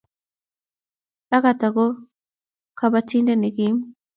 Agatha ko kabotindet nekiim